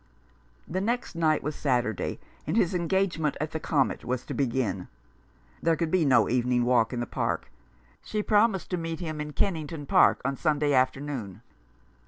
The next night was Saturday, and his engage ment at the Comet was to begin. There could be no evening walk in the park. She promised to meet him in Kennington Park on Sunday afternoon.